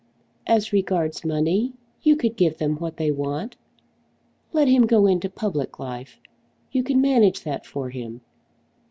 As regards money, you could give them what they want. Let him go into public life. You could manage that for him."